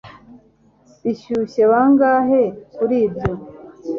bishyuye bangahe kuri ibyo